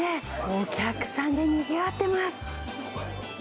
お客さんでにぎわってます。